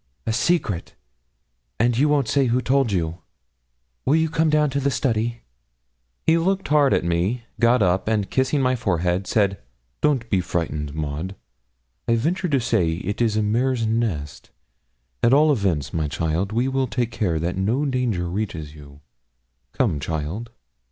'A secret; and you won't say who told you? Will you come down to the study?' He looked hard at me, got up, and kissing my forehead, said 'Don't be frightened, Maud; I venture to say it is a mare's nest; at all events, my child, we will take care that no danger reaches you; come, child.'